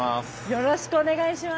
よろしくお願いします。